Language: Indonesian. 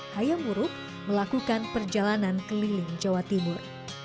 hayam muruk melakukan perjalanan keliling jawa timur